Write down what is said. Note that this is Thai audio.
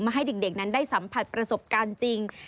ให้เด็กนั้นได้สัมผัสประสบการณ์จริง